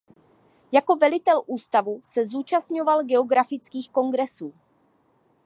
Jako velitel ústavu se zúčastňoval geografických kongresů.